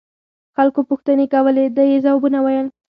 خلقو پوښتنې کولې ده يې ځوابونه ويل.